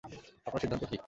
আপনার সিদ্ধান্ত কী?